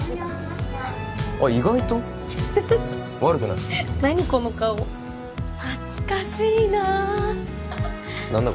意外とフフフ悪くない何この顔懐かしいな何だ